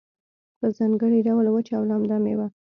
په ځانګړي ډول وچه او لمده میوه